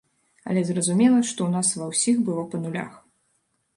Але зразумела, што ў нас ва ўсіх было па нулях.